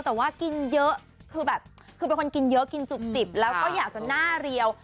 แต่ว่ากินเยอะคือแบบคือเป็นคนกินเยอะกินจุกจิบแล้วก็อยากจะหน้าเรียว